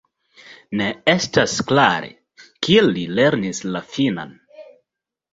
Ne estas klare, kie li lernis la finnan.